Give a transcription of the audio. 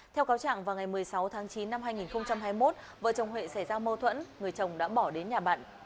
theo cáo trạng vào ngày một mươi sáu tháng chín năm hai nghìn hai mươi một vợ chồng huệ xảy ra mâu thuẫn người chồng đã bỏ đến nhà bạn